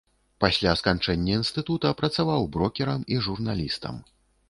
Пасля сканчэння інстытута працаваў брокерам і журналістам.